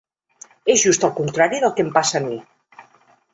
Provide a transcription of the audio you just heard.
És just el contrari del que em passa a mi.